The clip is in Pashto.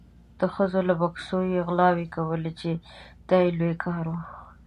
د ښځو له بکسونو یې غلاوې کولې چې دا یې لوی کار و.